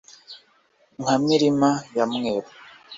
nka mirima ya mweru